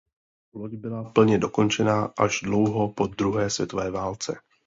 Loď byla plně dokončena až dlouho po druhé světové válce.